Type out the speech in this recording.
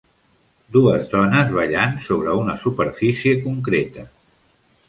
Dues dones ballant sobre una superfície concreta.